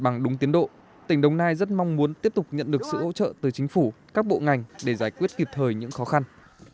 bên cạnh đó tỉnh đồng nai cũng đẩy nhanh tiến độ xây dựng khu tái định cư lộc an